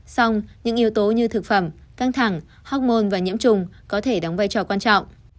song những yếu tố như thực phẩm căng thẳng hóc môn và nhiễm trùng có thể đóng vai trò quan trọng